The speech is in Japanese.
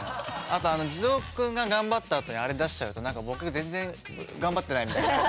あとあの地蔵君が頑張ったあとにあれ出しちゃうと何か僕全然頑張ってないみたいな。